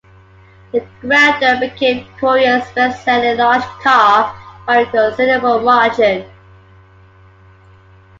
The Grandeur became Korea's bestselling large car by a considerable margin.